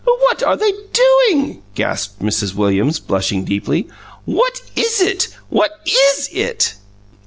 "What are they doing?" gasped Mrs. Williams, blushing deeply. "What is it? What IS it?"